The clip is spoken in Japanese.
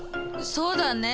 そうだね。